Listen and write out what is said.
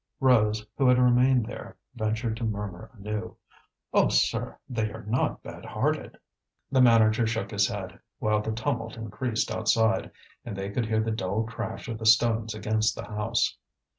Rose, who had remained there, ventured to murmur anew: "Oh, sir! they are not bad hearted!" The manager shook his head, while the tumult increased outside, and they could hear the dull crash of the stones against the house.